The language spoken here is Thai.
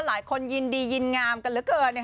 หลายคนยินดียินงามกันเหลือเกิน